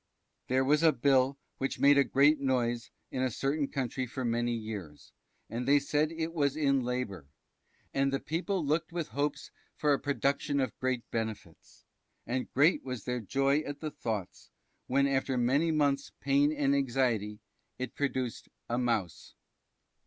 _) There was a Bill which made a great noise in a certain country for many years, and they said it was in Labour, and the People looked with hopes for a Production of great Benefits, and great was their joy at the thoughts, when after many months pain and anxiety, it produced a Mouse.